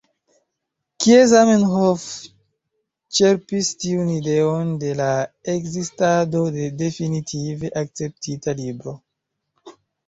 Kie Zamenhof ĉerpis tiun ideon de la ekzistado de definitive akceptita Libro?